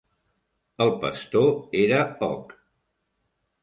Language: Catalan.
El pastor era Hogg.